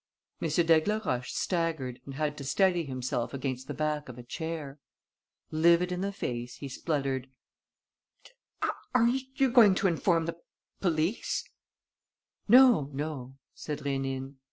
M. d'Aigleroche staggered and had to steady himself against the back of a chair. Livid in the face, he spluttered: "Are you going to inform the police?" "No, no," said Rénine.